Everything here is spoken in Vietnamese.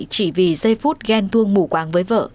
trong một giây phút ghen thương mù quang với vợ